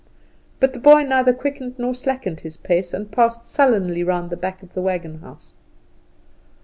But the boy neither quickened nor slackened his pace, and passed sullenly round the back of the wagon house.